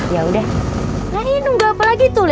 ya udah nah ini udah berapa lagi tuh lah